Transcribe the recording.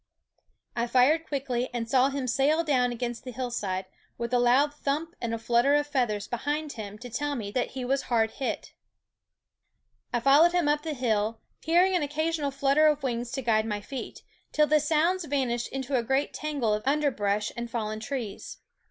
I fired quickly, and saw him sail down against the hillside, with a loud thump and a flutter of feathers behind him to tell me that he was hard hit. I followed him up the hill, hearing an occasional flutter of wings to guide my feet, till the sounds vanished into a great tangle of underbrush and fallen trees.